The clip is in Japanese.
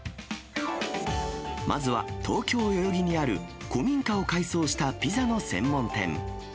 まずは、東京・代々木にある古民家を改装したピザの専門店。